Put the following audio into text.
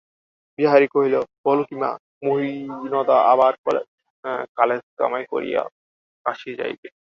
বিহারী কহিল, বল কী মা, মহিনদা আবার কালেজ কামাই করিয়া কাশী যাইবে?